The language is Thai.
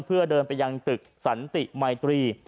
เพื่อเดินไปยังตึกสันติมัยตรี